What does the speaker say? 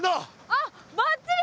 あっばっちり！